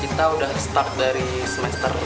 jadi kita sudah mulai dari semester satu